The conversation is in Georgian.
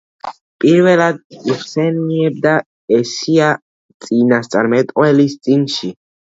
პირველად იხსენიება ესაია წინასწარმეტყველის წიგნში.